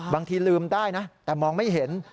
บางทีลืมได้นะแต่มองไม่เห็น